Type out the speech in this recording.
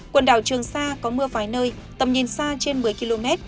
quần đảo trường sa có mưa vài nơi tầm nhìn xa trên một mươi km